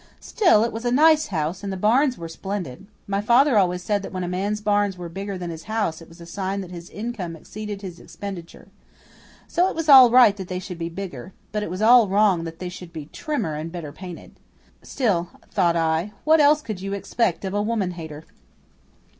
Still, it was a nice house, and the barns were splendid. My father always said that when a man's barns were bigger than his house it was a sign that his income exceeded his expenditure. So it was all right that they should be bigger; but it was all wrong that they should be trimmer and better painted. Still, thought I, what else could you expect of a woman hater?